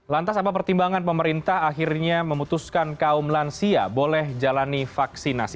lantas apa pertimbangan pemerintah akhirnya memutuskan kaum lansia boleh jalani vaksinasi